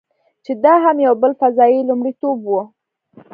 چې دا هم یو بل فضايي لومړیتوب و.